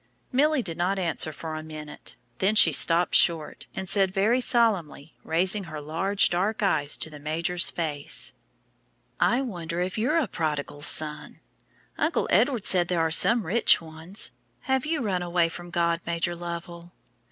Milly did not answer for a minute, then she stopped short, and said very solemnly, raising her large dark eyes to the major's face, "I wonder if you're a prodigal son. Uncle Edward said there were some rich ones. Have you run away from God, Major Lovell?"